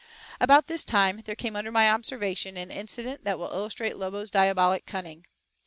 About this time there came under my observation an incident that will illustrate Lobo's diabolic cunning.